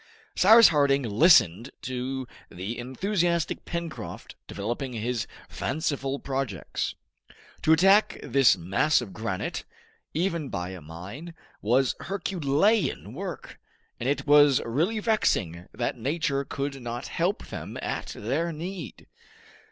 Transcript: Cyrus Harding listened to the enthusiastic Pencroft developing his fanciful projects. To attack this mass of granite, even by a mine, was Herculean work, and it was really vexing that nature could not help them at their need.